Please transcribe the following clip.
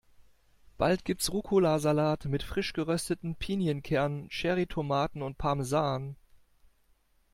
Bald gibt's Rucola-Salat mit frisch gerösteten Pinienkernen, Cherry-Tomaten und Parmesan.